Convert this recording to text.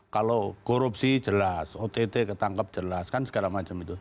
kalau korupsi jelas ott ketangkep jelas kan segala macam itu